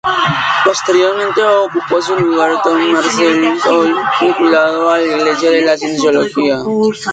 Posteriormente ocupó su lugar Tom Marcellus, hoy vinculado a la Iglesia de la Cienciología.